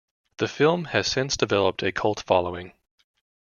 The film has since developed a cult following.